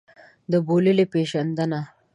د بوللې پېژندنه.